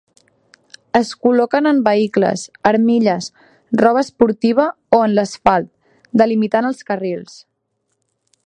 Es col·loquen en vehicles, armilles, roba esportiva o en l'asfalt, delimitant els carrils.